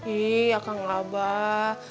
ih akang abah